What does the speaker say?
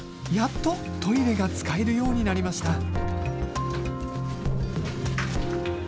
やっとトイレが使えるようになりました。